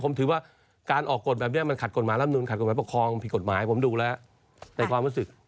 ผมถือว่าการออกกฎแบบนี้มันขัดกฎหมายร่ำนูนขัดกฎหมายประคองผิดกฎหมายผมดูแล้วในความรู้สึก